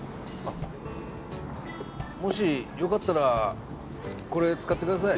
もしよかったらこれ使ってください。